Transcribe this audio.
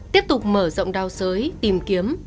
tiếp tục mở rộng đào sới tìm kiếm